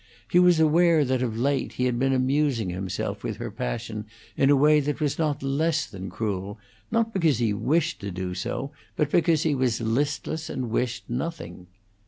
He was aware that of late he had been amusing himself with her passion in a way that was not less than cruel, not because he wished to do so, but because he was listless and wished nothing.